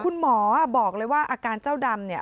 คุณหมอบอกเลยว่าอาการเจ้าดำเนี่ย